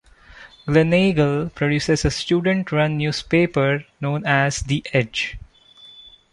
Gleneagle produces a student-run newspaper known as The Edge.